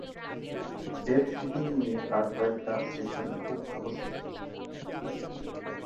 Death hitting নিয়ে তাঁর কয়েকটা সেশন খুব ভালো ছিল।